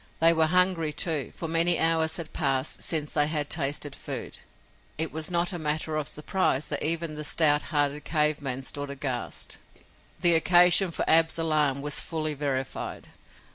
They were hungry, too, for many hours had passed since they had tasted food. It was not matter of surprise that even the stout hearted cave man stood aghast. The occasion for Ab's alarm was fully verified.